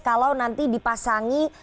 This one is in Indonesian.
kalau nanti dipasangi